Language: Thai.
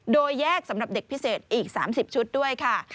โดยแยกสำหรับเด็กพิเศษอีก๓๐ชุดด้วยค่ะ